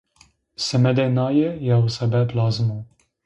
Semedê naye yew sebeb lazim o